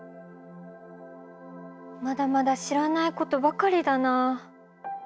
まだまだ知らないことばかりだなあ。